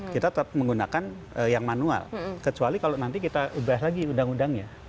kita tetap menggunakan yang manual kecuali kalau nanti kita ubah lagi undang undangnya